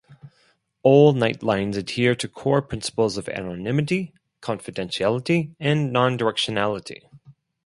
All Nightlines adhere to core principles of anonymity, confidentiality, and non-directionality.